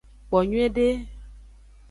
Kpo nyuiede.